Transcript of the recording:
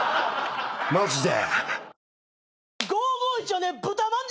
マジで。